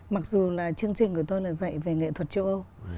mặc dù là chương trình của tôi là dạy về nghệ thuật châu âu